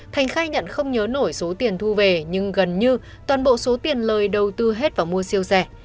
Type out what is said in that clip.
thành khai nhận không nhớ nổi số tiền thu về nhưng gần như toàn bộ số tiền lời đầu tư hết và mua siêu xe